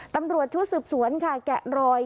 ตำรวจชุดสืบสวนค่ะแกะรอย